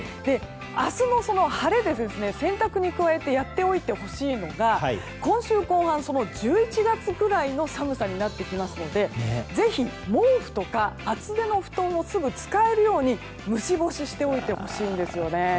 明日の晴れで洗濯に加えてやっておいてほしいのが今週後半、１１月ぐらいの寒さになってきますのでぜひ、毛布とか厚手の布団をすぐ使えるように虫干ししておいてほしいんですね。